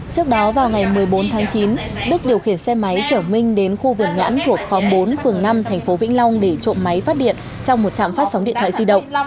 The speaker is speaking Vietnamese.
trước đó vào ngày một mươi bốn tháng chín đức điều khiển xe máy chở minh đến khu vực nhãn thuộc khóm bốn phường năm tp vĩnh long để trộm máy phát điện trong một trạm phát sóng điện thoại di động